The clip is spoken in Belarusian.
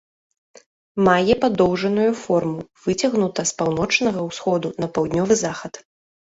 Мае падоўжаную форму, выцягнута з паўночнага ўсходу на паўднёвы захад.